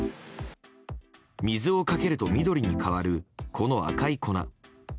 水をかけると緑に変わるこの赤い粉。